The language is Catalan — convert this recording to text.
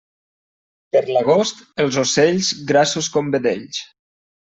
Per l'agost, els ocells, grassos com vedells.